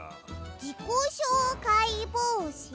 じこしょうかいぼうし？